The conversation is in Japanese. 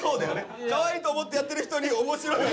かわいいと思ってやってる人に面白い。